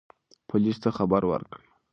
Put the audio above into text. پولیس ته خبر ورکړئ.